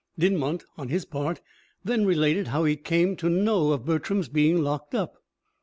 Dinmont, on his part, then related how he had come to know of Bertram's being locked up.